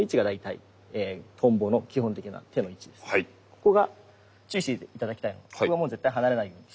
ここが注意して頂きたいのがここがもう絶対離れないようにして頂きたい。